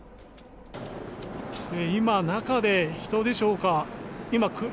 今、中で人でしょうか。